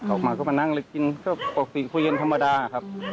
ออกมาก็มานั่งเลยกินก็ออกเสียงคุยกันธรรมดาครับ